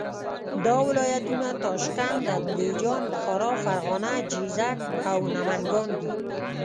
دا ولایتونه تاشکند، اندیجان، بخارا، فرغانه، جیزک او نمنګان دي.